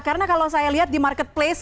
karena kalau saya lihat di marketplace